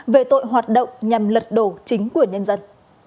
về tội hoạt động nhằm lật đổ chính quyền nhân dân